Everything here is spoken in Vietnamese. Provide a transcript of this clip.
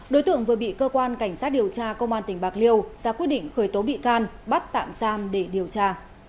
đối tượng vừa bị cơ quan cảnh sát điều tra công an tỉnh bạc liêu ra quyết định khởi tố bị can bắt tạm giam để điều tra